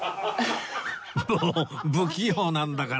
もう不器用なんだから